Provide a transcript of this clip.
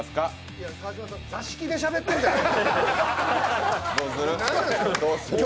いや、川島さん、座敷でしゃべってるじゃないですか。